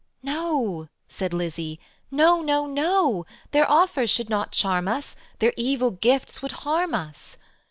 "No," said Lizzie, "no, no, no; Their offers should not charm us, Their evil gifts would harm us."